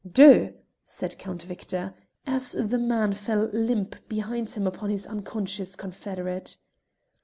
"Deux!" said Count Victor, as the man fell limp behind him upon his unconscious confederate.